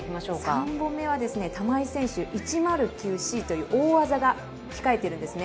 ３本目は玉井選手１０９Ｃという大技が控えているんですね。